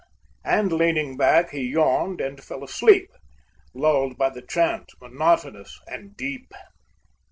And leaning back, he yawned and fell asleep, Lulled by the chant, monotonous and deep.